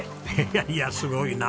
いやいやすごいな。